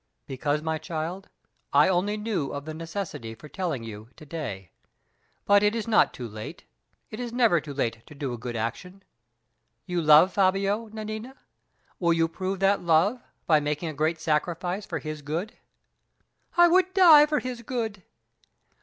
"Because, my child, I only knew of the necessity for telling you to day. But it is not too late; it is never too late to do a good action. You love Fabio, Nanina? Will you prove that love by making a great sacrifice for his good?" "I would die for his good!"